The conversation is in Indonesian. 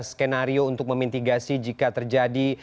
skenario untuk memintigasi jika terjadi